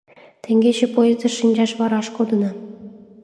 Теҥгече поездыш шинчаш вараш кодынам.